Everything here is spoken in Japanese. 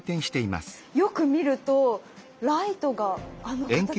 よく見るとライトがあの形餃子ですね。